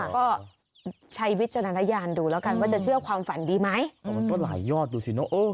ก็ใช้วิจารณญาณดูแล้วกันว่าจะเชื่อความฝันดีไหมอ๋อมันก็หลายยอดดูสิเนอะเออ